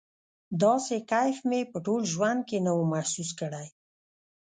داسې کيف مې په ټول ژوند کښې نه و محسوس کړى.